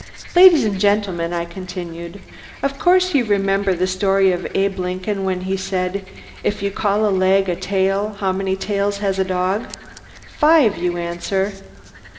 "Ladies and Gentlemen," I continued, "of course you remember the story of Abe Lincoln when he said, 'if you call a leg a tail, how many tails has a dog?' 'Five,' you answer.